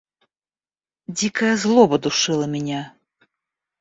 Дикая злоба душила меня.